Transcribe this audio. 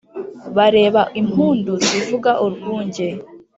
Bareba impundu zivuga urwunge